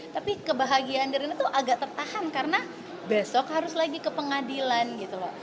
tapi kebahagiaan darina tuh agak tertahan karena besok harus lagi ke pengadilan gitu loh